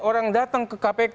orang datang ke kpk